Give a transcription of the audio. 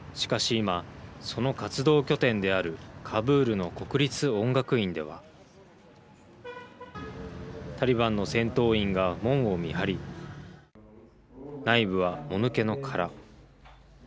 しかし今その活動拠点であるカブールの国立音楽院ではタリバンの戦闘員が門を見張り内部はもぬけの殻。